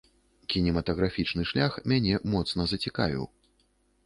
Кінематаграфічны шлях мяне моцна зацікавіў.